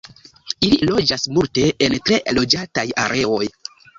Ili loĝas multe en tre loĝataj areoj.